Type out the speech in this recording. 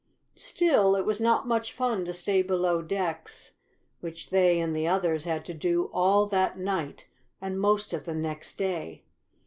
Still it was not much fun to stay below decks, which they and the others had to do all that night and most of the next day.